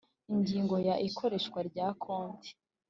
ingingo ya ikoreshwa rya konti